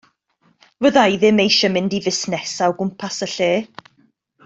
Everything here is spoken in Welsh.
Fydda i ddim eisiau mynd i fusnesa o gwmpas y lle.